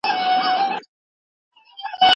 ایا د مخکنيو دلیلونو ذکر وسو؟